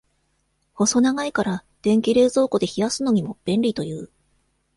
細長いから、電気冷蔵庫で冷やすのにも、便利という。